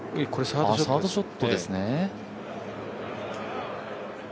サードショットですね。